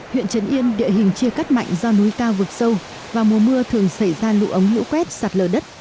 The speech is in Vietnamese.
huyện trấn yên địa hình chia cắt mạnh do núi cao vực sâu vào mùa mưa thường xảy ra lũ ống lũ quét sạt lở đất